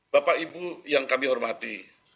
bapak ibu yang kami hormati